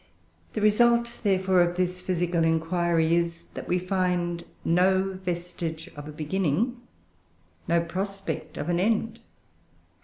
The result, therefore, of this physical inquiry is, that we find no vestige of a beginning, no prospect of an end."